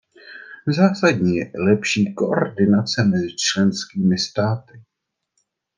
Zásadní je i lepší koordinace mezi členskými státy.